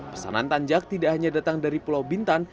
pesanan tanjak tidak hanya datang dari pulau bintan